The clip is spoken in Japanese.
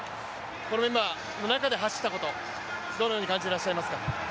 このメンバーの中で走ったことどのように感じられていますか。